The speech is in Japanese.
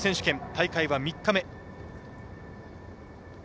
大会は３回目。